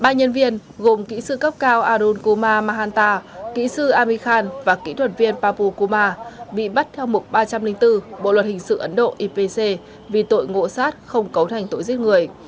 ba nhân viên gồm kỹ sư cấp cao arun kumar mahanta kỹ sư amikhan và kỹ thuật viên papu kumar bị bắt theo mục ba trăm linh bốn bộ luật hình sự ấn độ ipc vì tội ngộ sát không cấu thành tội giết người